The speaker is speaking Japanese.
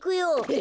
え！